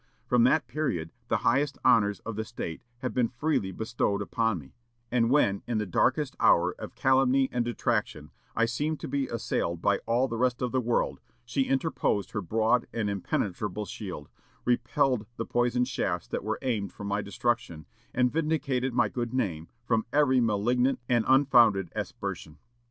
From that period the highest honors of the State have been freely bestowed upon me; and when, in the darkest hour of calumny and detraction, I seemed to be assailed by all the rest of the world, she interposed her broad and impenetrable shield, repelled the poisoned shafts that were aimed for my destruction, and vindicated my good name from every malignant and unfounded aspersion.